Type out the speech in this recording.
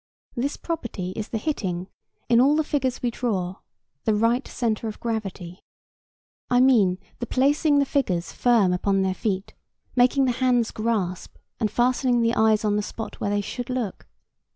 This property is the hitting, in all the figures we draw, the right centre of gravity. I mean the placing the figures firm upon their feet, making the hands grasp, and fastening the eyes on the spot where they should look.